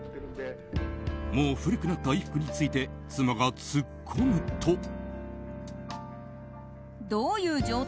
もう古くなった衣服について妻が突っ込むと。